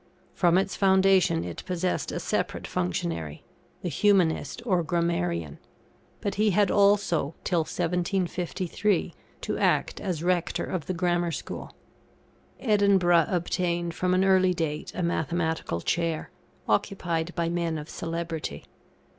From its foundation it possessed a separate functionary, the Humanist or Grammarian; but he had also, till 1753, to act as Rector of the Grammar School. Edinburgh obtained from an early date a Mathematical chair, occupied by men of celebrity.